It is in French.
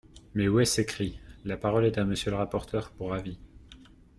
Mais où est-ce écrit ? La parole est à Monsieur le rapporteur pour avis.